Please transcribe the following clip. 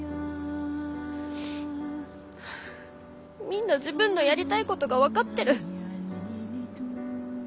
みんな自分のやりたいことが分かってる。